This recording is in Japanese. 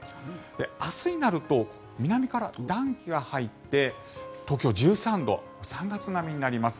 明日になると南から暖気が入って東京、１３度３月並みになります。